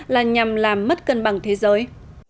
là nhằm làm mất cân bằng thế giới